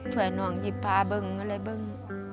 ถ่วยน้องหยิบพาเบิ่งอะไรเบิ่ง